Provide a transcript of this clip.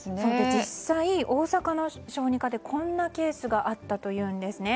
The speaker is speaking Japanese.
実際、大阪の小児科でこんなケースがあったというんですね。